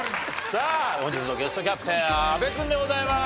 さあ本日のゲストキャプテン阿部君でございます。